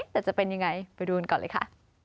แต่จะเป็นยังไงไปดูกันก่อนเลยค่ะ